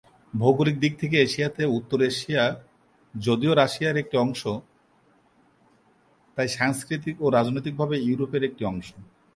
ভৌগোলিক দিক থেকে এশিয়াতে উত্তর এশিয়া যদিও রাশিয়ার একটি অংশ, তাই সাংস্কৃতিক ও রাজনৈতিকভাবে ইউরোপের একটি অংশ।